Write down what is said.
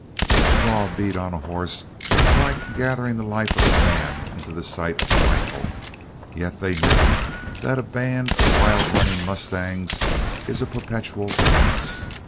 To draw a bead on a horse was like gathering the life of a man into the sight of the rifle, yet they knew that a band of wildrunning mustangs is a perpetual menace.